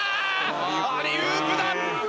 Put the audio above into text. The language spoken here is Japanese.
アリウープだ！